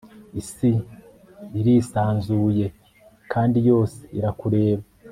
isi irisanzuye kandi yose irakureba